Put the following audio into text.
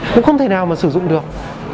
cũng không thể nào mà sử dụng được